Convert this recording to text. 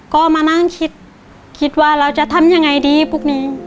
ก็มานั่งคิดคิดว่าเราจะทำยังไงดีพวกนี้